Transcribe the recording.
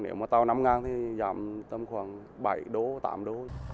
nếu mà tàu năm ngàn thì giảm tầm khoảng bảy đô tám đô